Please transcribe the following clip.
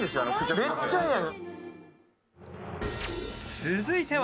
めっちゃええやん。